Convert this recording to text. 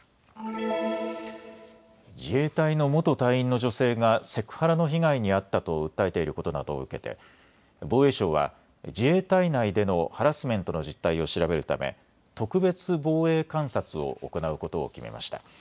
自衛隊の元隊員の女性がセクハラの被害に遭ったと訴えていることなどを受けて防衛省は自衛隊内でのハラスメントの実態を調べるため特別防衛監察を行うことを決めました。